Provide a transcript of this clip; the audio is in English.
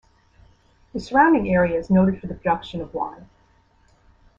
The surrounding area is noted for the production of wine.